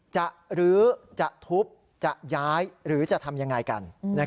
หรือจะทุบจะย้ายหรือจะทำยังไงกัน